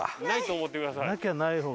ないと思ってください。